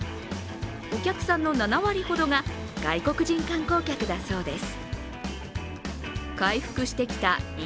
お客さんの７割ほどが外国人観光客だそうです。